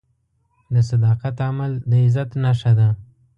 د صداقت عمل د عزت نښه ده.